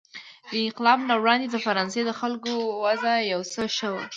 د انقلاب نه وړاندې د فرانسې د خلکو وضع یو څه ښه وه.